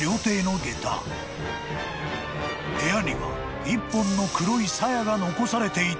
［部屋には１本の黒いさやが残されていたという］